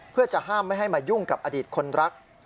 เพื่อจะห้ามไม่ให้มายุ่งกับอดีตคนรัก